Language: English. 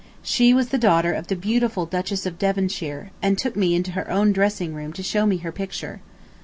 She was the daughter of the beautiful Duchess of Devonshire, and took me into her own dressing room to show me her picture.